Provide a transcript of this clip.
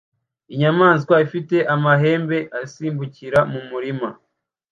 Inyamaswa ifite amahembe asimbukira mu murima